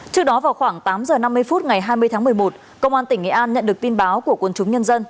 trước đó vào khoảng tám h năm mươi phút ngày hai mươi tháng một mươi một công an tỉnh nghệ an nhận được tin báo của quân chúng nhân dân